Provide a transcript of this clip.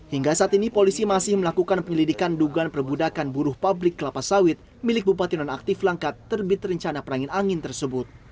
hingga saat ini polisi masih melakukan penyelidikan dugaan perbudakan buruh pabrik kelapa sawit milik bupati nonaktif langkat terbit rencana perangin angin tersebut